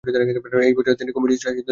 এই বছরেই তিনি কমিউনিস্ট শাসিত দেশ, চীন যান।